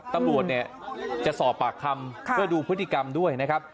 ตำรวจเนี่ยจะสอบปากคำเพื่อดูพฤติกรรมด้วยนะครับ